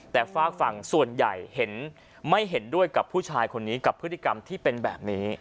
แต่ฝากฝั่งส่วนใหญ่เห็นไม่เห็นด้วยกับผู้ชายคนนี้กับพฤติกรรมที่เป็นแบบนี้